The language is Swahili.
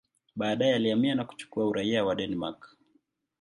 Baadaye alihamia na kuchukua uraia wa Denmark.